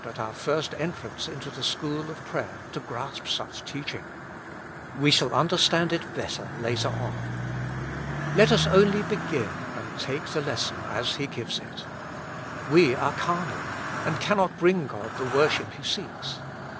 at our first entrance into the school of prayer to grasp such teaching. We shall understand it better later on. Let us only begin and take the lesson as He gives it. We are carnal and cannot bring God the worship He seeks.